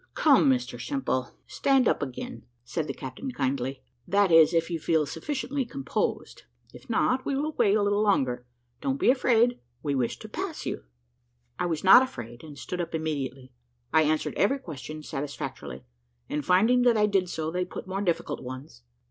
"Come, Mr Simple, stand up again," said the captain, kindly, "that is if you feel sufficiently composed: if not, we will wait a little longer. Don't be afraid, we wish to pass you." I was not afraid, and stood up immediately. I answered every question satisfactorily, and finding that I did so, they put more difficult ones.